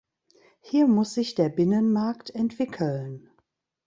Hier muss sich der Binnenmarkt entwickeln.